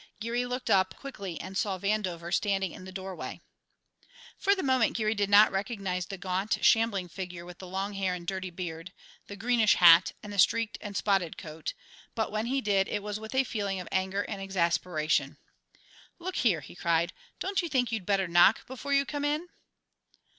Geary looked up quickly and saw Vandover standing in the doorway. For the moment Geary did not recognize the gaunt, shambling figure with the long hair and dirty beard, the greenish hat, and the streaked and spotted coat, but when he did it was with a feeling of anger and exasperation. "Look here!" he cried, "don't you think you'd better knock before you come in?"